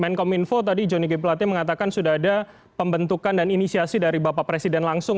menkom info tadi johnny g plate mengatakan sudah ada pembentukan dan inisiasi dari bapak presiden langsung